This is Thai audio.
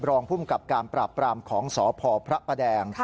รองภูมิกับการปราบปรามของสพพระประแดง